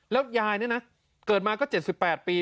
แล้วยายนี่นะเกิดมาก็๗๘ปี